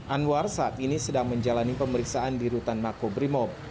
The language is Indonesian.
anwar saat ini sedang menjalani pemeriksaan di rutan makobrimob